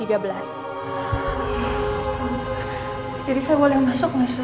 jadi saya boleh masuk gak su